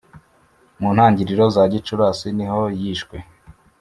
mu ntangiriro za gicurasi niho yishwe